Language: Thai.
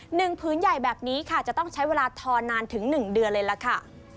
หนึ่งพื้นใหญ่แบบนี้ค่ะจะต้องใช้เวลาทอนานถึง๑เดือนเลยล่ะค่ะ